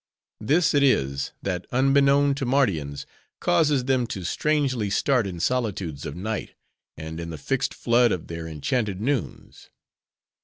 This it is, that unbeknown to Mardians, causes them to strangely start in solitudes of night, and in the fixed flood of their enchanted noons.